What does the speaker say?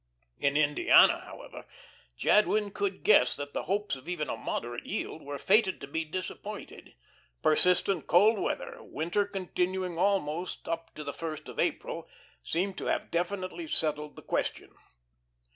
In Indiana, however, Jadwin could guess that the hopes of even a moderate yield were fated to be disappointed; persistent cold weather, winter continuing almost up to the first of April, seemed to have definitely settled the question.